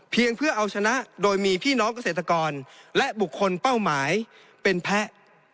เพื่อเอาชนะโดยมีพี่น้องเกษตรกรและบุคคลเป้าหมายเป็นแพ้